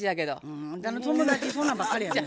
あんたの友達そんなんばっかりやな。